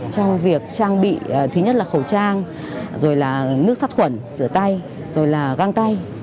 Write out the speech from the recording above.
trong việc trang bị thứ nhất là khẩu trang rồi là nước sát khuẩn rửa tay rồi là găng tay